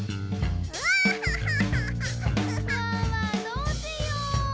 どうしよう？